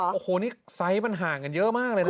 โอ้โหนี่ไซส์มันห่างกันเยอะมากเลยนะ